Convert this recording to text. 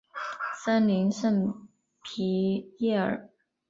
森林圣皮耶尔。